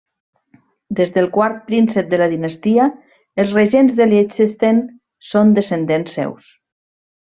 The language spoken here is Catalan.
Des del quart príncep de la dinastia, els regents de Liechtenstein són descendents seus.